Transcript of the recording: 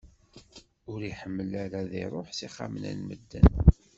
Ur iḥemmel ara ad iruḥ s ixxamen n medden.